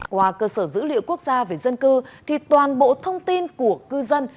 qua cơ sở dữ liệu quốc gia về dân cư thì toàn bộ thông tin của cư dân